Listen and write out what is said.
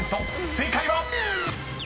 正解は⁉］